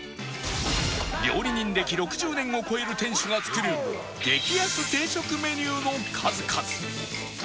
料理人歴６０年を超える店主が作る激安定食メニューの数々